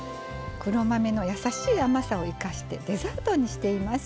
黒豆のやさしい甘さを生かしてデザートにしています。